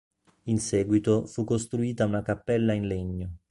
In seguito, fu costruita una cappella in legno.